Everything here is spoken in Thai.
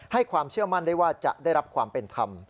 ความเชื่อมั่นได้ว่าจะได้รับความเป็นธรรม